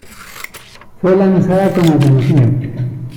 Fue lanzada como sencillo.